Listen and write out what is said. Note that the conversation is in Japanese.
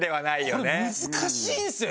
これ難しいんですよ